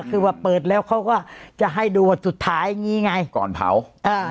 คือว่าเปิดแล้วเขาก็จะให้ดูวันสุดท้ายอย่างงี้ไงก่อนเผาอ่า